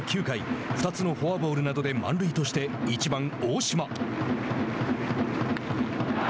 ９回２つのフォアボールなどで満塁として１番大島。